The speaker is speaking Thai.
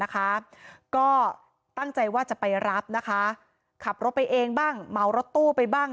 ก็ตั้งใจว่าจะไปรับนะคะขับรถไปเองบ้างเมารถตู้ไปบ้าง